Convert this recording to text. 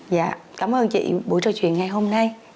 dạ cảm ơn chị buổi trò chuyện ngày hôm nay